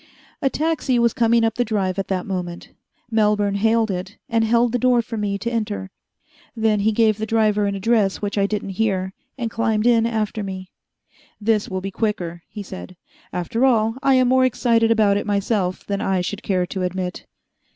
A taxi was coming up the Drive at that moment. Melbourne hailed it, and held the door for me to enter. Then he gave the driver an address which I didn't hear, and climbed in after me. "This will be quicker," he said. "After all, I am more excited about it myself than I should care to admit."